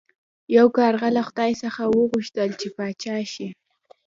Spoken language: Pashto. یو کارغه له خدای څخه وغوښتل چې پاچا شي.